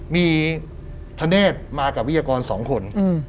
มีธเนธมากับวิทยากร๒คน